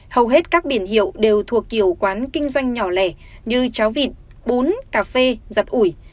hầu hết các biển hiệu đều thuộc kiểu quán kinh doanh nhỏ lẻ như cháo vịt bún cà phê giặt ủi